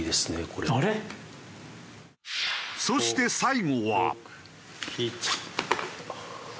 そして最後は。